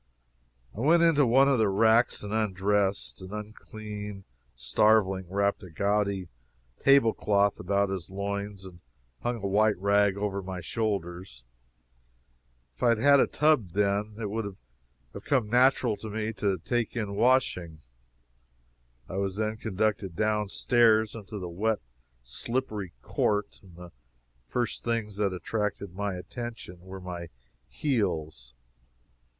I went into one of the racks and undressed. An unclean starveling wrapped a gaudy table cloth about his loins, and hung a white rag over my shoulders. If I had had a tub then, it would have come natural to me to take in washing. I was then conducted down stairs into the wet, slippery court, and the first things that attracted my attention were my heels.